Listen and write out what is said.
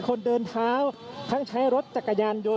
คุณภูริพัฒน์ครับ